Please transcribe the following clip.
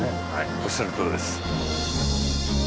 おっしゃるとおりです。